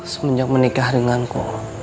semenjak menikah denganku